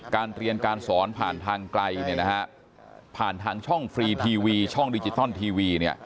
การเรียนการสอนผ่านทางไกลผ่านทางช่องฟรีทีวีช่องดิจิตอลทีวี